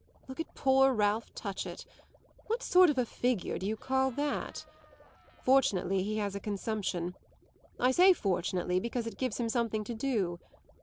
Look at poor Ralph Touchett: what sort of a figure do you call that? Fortunately he has a consumption; I say fortunately, because it gives him something to do.